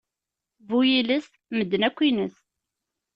Bu yiles, medden akk yines.